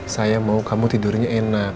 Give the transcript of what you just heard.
saya mau kamu tidurnya enak